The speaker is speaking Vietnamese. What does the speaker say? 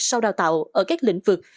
sau đào tạo ở các lĩnh vực